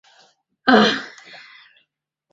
纵纹锦鱼为隆头鱼科锦鱼属的鱼类。